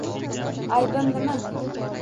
Aybim nima?